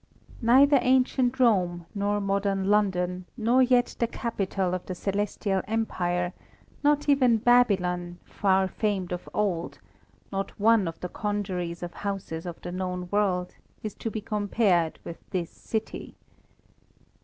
Neither ancient Rome nor modern London, nor yet the capital of the Celestial Empire, not even Babylon, far famed of old, not one of the congeries of houses of the known world, is to be compared with this city.